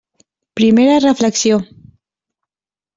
Primera reflexió.